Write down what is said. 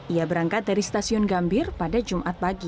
ia berangkat dari stasiun gambir pada jam delapan